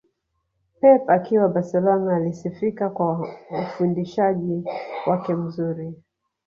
Pep akiwa Barcelona alisifika kwa ufundishaji wake mzuri